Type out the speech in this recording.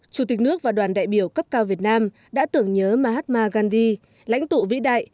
chủ tịch nước và đoàn đại biểu cấp cao việt nam đã tưởng nhớ mahatma gandhi lãnh tụ vĩ đại